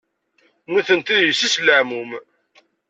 Nitenti d yessi-s n leɛmum.